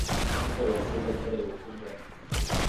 nta siporo wakoze ark reba uko ungana